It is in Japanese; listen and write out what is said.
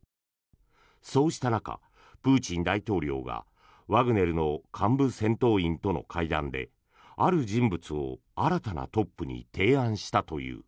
そうした中、プーチン大統領がワグネルの幹部戦闘員との会談である人物を新たなトップに提案したという。